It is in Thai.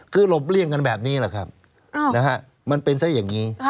คือหลบเลี่ยงกันแบบนี้แหละครับมันเป็นซะอย่างนี้